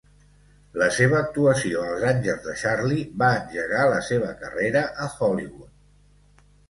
La seva actuació als Angels de Charlie va engegar la seva carrera a Hollywood.